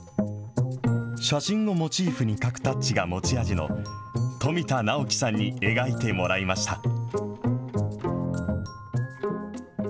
写真をモチーフに描くタッチが持ち味の富田直樹さんに描いてもらいました。